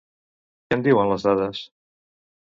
Què en diuen les dades?